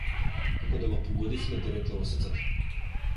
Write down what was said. Како да го погодивме директно во срцето.